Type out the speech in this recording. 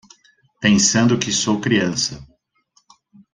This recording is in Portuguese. Pensando que sou criança